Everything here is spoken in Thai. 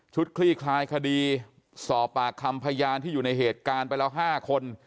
คลี่คลายคดีสอบปากคำพยานที่อยู่ในเหตุการณ์ไปแล้ว๕คน